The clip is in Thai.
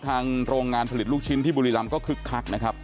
ทางโรงนวัญผลิตลูกชิ้นที่บุรีรัมป์ก็คึกคลักนะครับ